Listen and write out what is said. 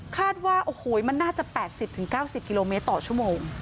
ว่าโอ้โหมันน่าจะ๘๐๙๐กิโลเมตรต่อชั่วโมง